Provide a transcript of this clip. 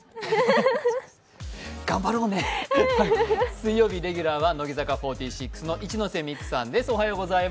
水曜日レギュラーは乃木坂４６の一ノ瀬美空さんです。